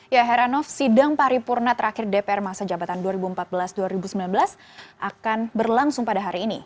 ya heranov sidang paripurna terakhir dpr masa jabatan dua ribu empat belas dua ribu sembilan belas akan berlangsung pada hari ini